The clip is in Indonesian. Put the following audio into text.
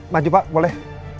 maju pak boleh